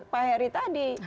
pak heri tadi